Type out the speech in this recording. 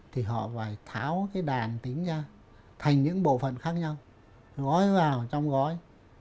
thì họ phải tháo cái đàn tính ra thành những bộ phận khác nhau gói vào trong gói